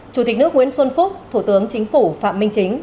chủ tịch nước nguyễn xuân phúc thủ tướng chính phủ phạm minh chính